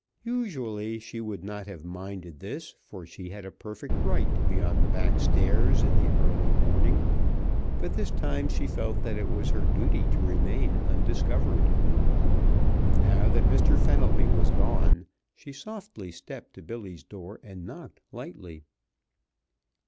Usually she would not have minded this, for she had a perfect right to be on the back stairs in the early morning, but this time she felt that it was her duty to remain undiscovered. Now that Mr. Fenelby was gone she softly stepped to Billy's door and knocked lightly.